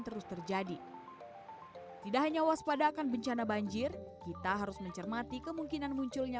terus terjadi tidak hanya waspada akan bencana banjir kita harus mencermati kemungkinan munculnya